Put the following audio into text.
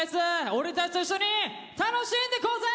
俺たちと一緒に楽しんでいこうぜ！